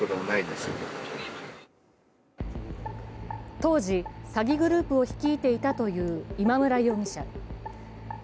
当時、詐欺グループを率いていたという今村容疑者。